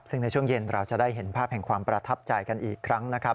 ซึ่งในช่วงเย็นเราจะได้เห็นภาพแห่งความประทับใจกันอีกครั้งนะครับ